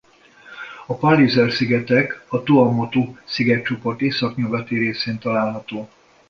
A Palliser-szigetek a Tuamotu szigetcsoport északnyugati részén található.